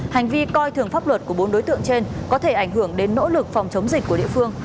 hành vi coi thường pháp luật của bốn đối tượng trên có thể ảnh hưởng đến nỗ lực phòng chống dịch của địa phương